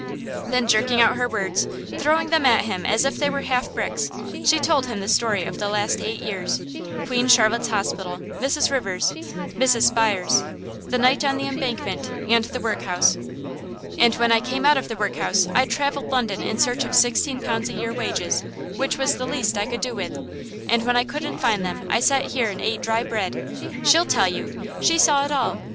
Then jerking out her words, throwing them at him as if they were half bricks, she told him the story of the last eight years Queen Charlotte's hospital, Mrs. Rivers, Mrs. Spires, the night on the Embankment, and the workhouse. "And when I came out of the workhouse I travelled London in search of sixteen pounds a year wages, which was the least I could do with, and when I didn't find them I sat here and ate dry bread. She'll tell you she saw it all.